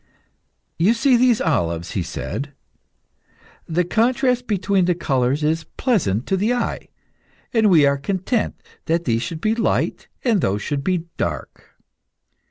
"You see these olives," he said. "The contrast between the colours is pleasant to the eye, and we are content that these should be light and those should be dark.